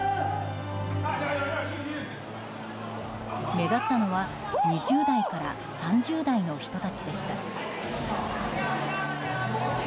目立ったのは、２０代から３０代の人たちでした。